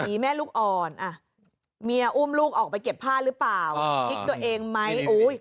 แม่ลูกอ่อนอ่ะเมียอุ้มลูกออกไปเก็บผ้าหรือเปล่ากิ๊กตัวเองไหม